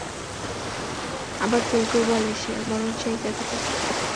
আবার কেউ কেউ বলে, বরং সে-ই জাদুকর।